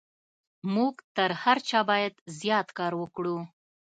موږ تر هر چا بايد زيات کار وکړو.